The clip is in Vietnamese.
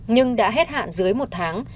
nhưng đã hết hạn dưới một tháng